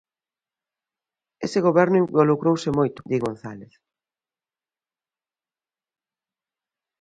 Ese Goberno involucrouse moito, di González.